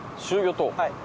はい。